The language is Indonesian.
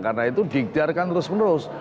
karena itu diikhtiarkan terus menerus